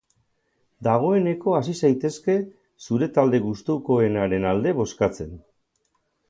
Dagoeneko hasi zaitezke zure talde gustokoenaren alde bozkatzen.